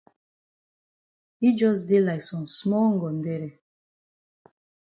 Yi jus dey like some small ngondere.